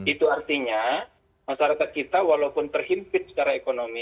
itu artinya masyarakat kita walaupun terhimpit secara ekonomi